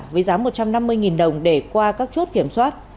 với giá một trăm năm mươi đồng để qua các chốt kiểm soát